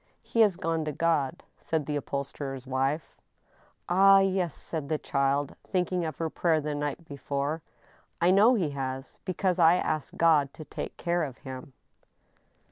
" He has gone to God," said the upholsterer's wife. " Ah, yes !" said the child, thinking of her prayer the night be fore, " I know he has, because I asked God to take care of him."